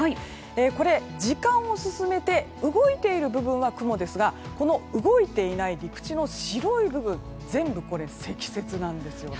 これ、時間を進めて動いている部分は雲ですが動いていない陸地の白い部分全部、積雪なんですよね。